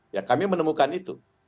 ya kami menemukan itu